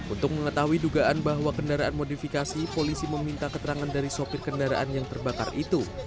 untuk mengetahui dugaan bahwa kendaraan modifikasi polisi meminta keterangan dari sopir kendaraan yang terbakar itu